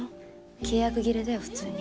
契約切れだよ普通に。